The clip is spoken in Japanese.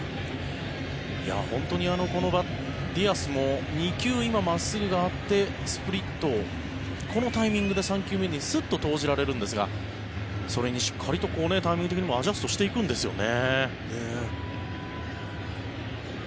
本当にこのディアスも２球、今真っすぐがあってスプリットをこのタイミングで３球目にスッと投じられるんですがそれにしっかりとタイミング的にもアジャストしていくんですよね。